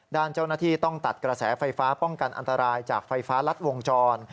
ด้านเจ้าหน้าที่ต้องตัดกระแสไฟฟ้าป้องกันอันตรายจากไฟฟ้ารัดวงจร